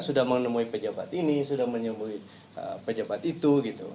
sudah menemui pejabat ini sudah menemui pejabat itu